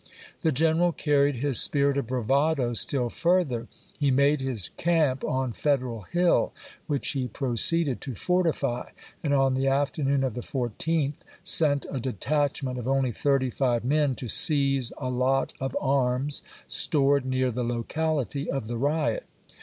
The general carried his spirit of bravado still further. He made his camp on Federal Hill, which he proceeded to fortify ; and on the afternoon of the 14th sent a detachment of only thirty five men to seize a lot of arms stored near the locality of the riot.